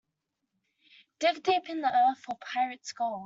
Dig deep in the earth for pirate's gold.